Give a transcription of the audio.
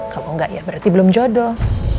kalau enggak ya berarti belum jodoh